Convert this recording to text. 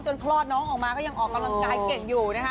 คลอดน้องออกมาก็ยังออกกำลังกายเก่งอยู่นะคะ